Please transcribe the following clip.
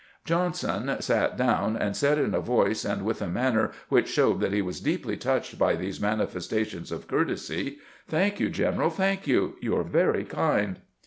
Johnson sat down, and said in a voice and with a manner which showed that he was deeply touched by these manifes tations of courtesy, " Thank you, general, thank you ; you are very kind."